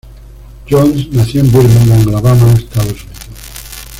Jones nació en Birmingham, Alabama, Estados Unidos.